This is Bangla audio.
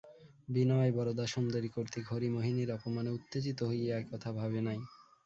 বিনয় বরদাসুন্দরী-কর্তৃক হরিমোহিনীর অপমানে উত্তেজিত হইয়া এ কথা ভাবে নাই।